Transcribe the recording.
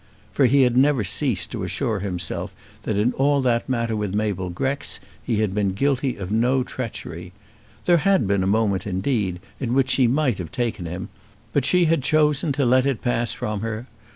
For he had never ceased to assure himself that in all that matter with Mabel Grex he had been guilty of no treachery. There had been a moment, indeed, in which she might have taken him; but she had chosen to let it pass from her.